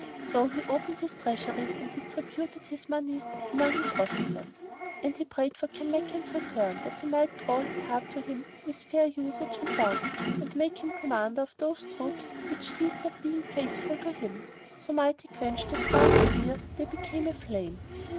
So he opened his treasuries and distributed his monies among his officers; and he prayed for Kanmakan's return, that he might draw his heart to him with fair usage and bounty; and make him commander of those troops which ceased not being faithful to him, so might he quench the sparks ere they became a flame.